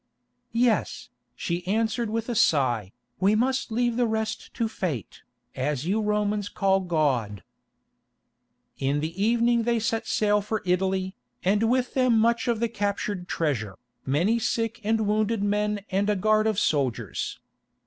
"Yes," she answered with a sigh, "we must leave the rest to fate, as you Romans call God." In the evening they set sail for Italy, and with them much of the captured treasure, many sick and wounded men and a guard of soldiers.